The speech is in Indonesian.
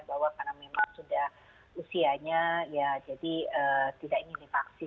bahwa karena memang sudah usianya ya jadi tidak ingin divaksin